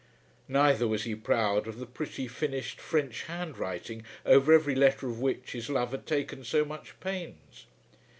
Neither was he proud of the pretty, finished, French hand writing, over every letter of which his love had taken so much pains.